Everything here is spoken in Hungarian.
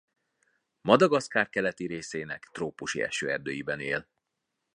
Madagaszkár keleti részének trópusi esőerdeiben él.